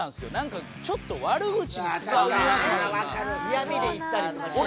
嫌みで言ったりとかしてるかも。